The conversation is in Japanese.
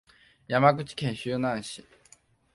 山口県周南市